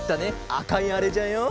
あかいあれじゃよ。